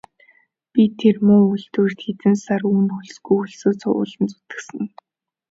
Би тэр муу үйлдвэрт хэдэн сар үнэ хөлсгүй хөлсөө цувуулан зүтгэсэн.